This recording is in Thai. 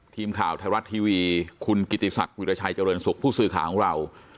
ทีมข่าวไทยรัฐทีวีคุณกิติศักดิ์วิราชัยเจริญสุขผู้สื่อข่าวของเรา